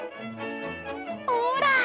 ほら！